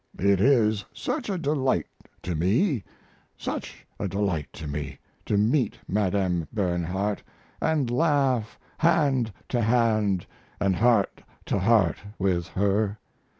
It is such a delight to me, such a delight to me, to meet Madame Bernhardt, and laugh hand to hand and heart to heart with her.